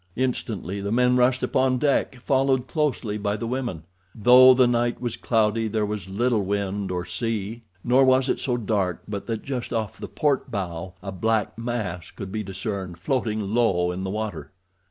Instantly the men rushed upon deck, followed closely by the women. Though the night was cloudy, there was little wind or sea, nor was it so dark but that just off the port bow a black mass could be discerned floating low in the water.